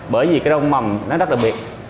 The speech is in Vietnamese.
bởi vì cái rau mầm nó rất đặc biệt